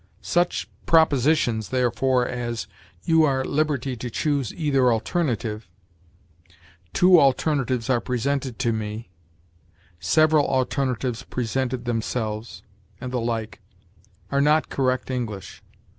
Such propositions, therefore, as, "You are at liberty to choose either alternative," "Two alternatives are presented to me," "Several alternatives presented themselves," and the like, are not correct English.